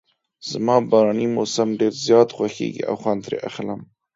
زما باراني موسم ډېر زیات خوښیږي او خوند ترې اخلم.